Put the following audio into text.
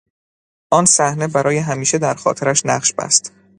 آن صحنه برای همیشه در خاطرش نقش بست.